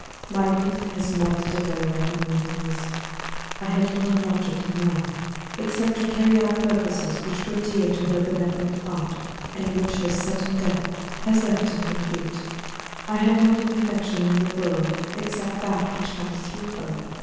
My youth has melted away like a morning mist. I have not an object in life except to carry out purposes which were dear to her benevolent heart, and which her sudden death has left incomplete. I have not an affection in the world except that which comes through her.